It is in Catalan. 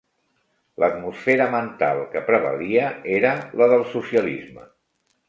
L'atmosfera mental que prevalia era la del socialisme